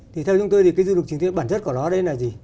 thì theo chúng tôi thì cái du lịch trực tuyến bản chất của nó đây là gì